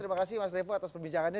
terima kasih mas revo atas perbincangannya